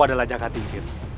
berani beraninya mengganggu ku